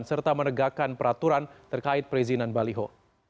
serta menegakkan peraturan terkait perizinan baliho